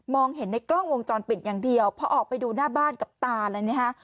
เห็นในกล้องวงจรปิดอย่างเดียวพอออกไปดูหน้าบ้านกับตาเลยนะฮะ